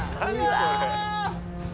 これ。